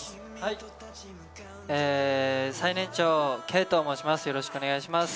最年長のＫと申します。